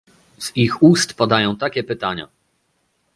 Z ich ust padają takie pytania